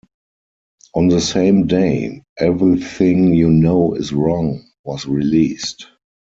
On the same day, "Everything You Know Is Wrong" was released.